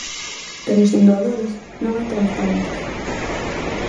Pero sen doadores non hai transplantes.